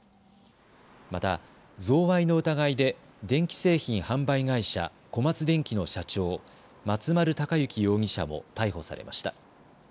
また贈賄の疑いで電気製品販売会社、小松電器の社長、松丸隆行容疑者も逮捕されました。